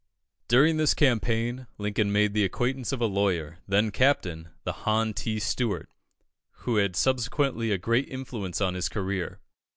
During this campaign, Lincoln made the acquaintance of a lawyer then captain the Hon. T. Stuart, who had subsequently a great influence on his career.